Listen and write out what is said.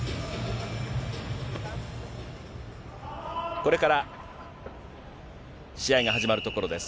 これから試合が始まるところです。